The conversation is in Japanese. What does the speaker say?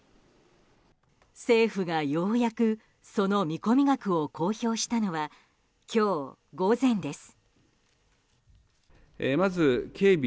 政府がようやくその見込み額を公表したのは今日午前です。